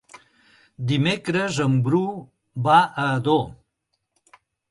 Dimecres en Bru va a Ador.